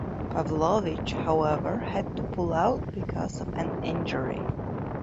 Pavlovich however had to pull out because of an injury.